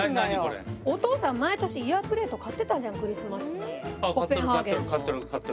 お父さん、毎年、イヤープレート買ってたじゃん、クリスマスあっ、買ってる。